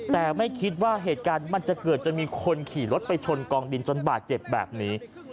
แต่ไม่คิดว่าเหตุการณ์มันจะเกิดจนมีคนขี่รถไปชนกองดินจนบาดเจ็บแบบนี้